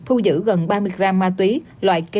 thu giữ gần ba mươi gram ma túy loại